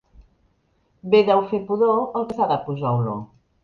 Bé deu fer pudor el que s'ha de posar olor.